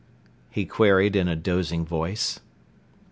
he queried in a dozing voice.